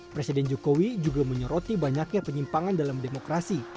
presiden jokowi juga menyoroti banyaknya penyimpangan dalam demokrasi